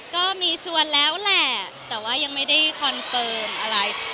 ก็มีชวนแล้วแหละแต่ว่ายังไม่ได้คอนเฟิร์มอะไร